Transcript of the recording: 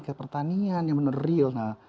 ke pertanian yang benar benar real nah